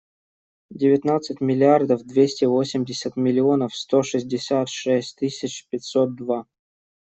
Девятнадцать миллиардов двести восемьдесят миллионов сто шестьдесят шесть тысяч пятьсот два.